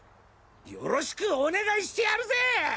よろしくお願いしてやるぜ！！